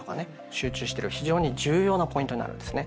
集中してる非常に重要なポイントになるんですね。